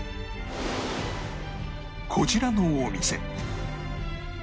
こちらのお店